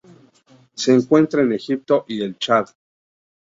Se encuentra en Egipto y el Chad.